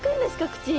口！